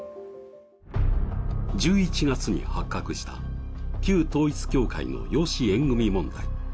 １１月に発覚した旧統一教会の養子縁組問題。